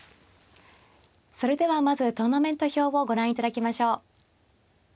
それではまずトーナメント表をご覧いただきましょう。